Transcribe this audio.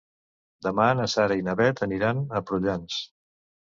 Demà na Sara i na Bet aniran a Prullans.